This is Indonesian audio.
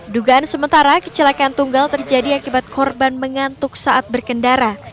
dugaan sementara kecelakaan tunggal terjadi akibat korban mengantuk saat berkendara